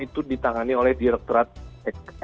itu ditangani oleh direkturat